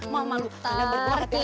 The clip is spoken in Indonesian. mama lu karena berbual hati hati